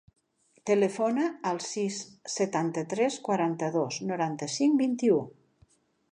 Telefona al sis, setanta-tres, quaranta-dos, noranta-cinc, vint-i-u.